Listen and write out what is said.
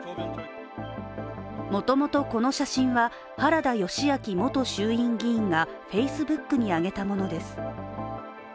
もともとこの写真は、原田義昭元衆議院議員がＦａｃｅｂｏｏｋに上げたものです。